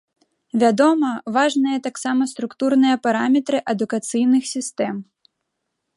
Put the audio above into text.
Вядома, важныя таксама структурныя параметры адукацыйных сістэм.